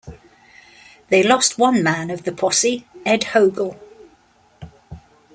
They lost one man of the posse, Ed Hogle.